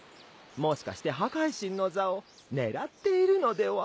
もしかして破壊神の座を狙っているのでは？